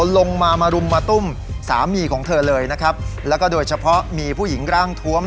ลงมามารุมมาตุ้มสามีของเธอเลยนะครับแล้วก็โดยเฉพาะมีผู้หญิงร่างทวม